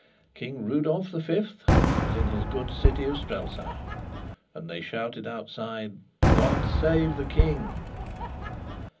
King Rudolf the Fifth was in his good city of Strelsau! And they shouted outside "God save the King!"